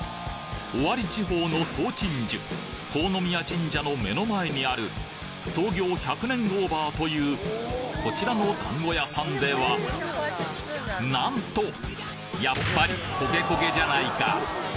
尾張地方の総鎮守国府宮神社の目の前にある創業１００年オーバーというこちらの団子屋さんではなんとやっぱり焦げ焦げじゃないか！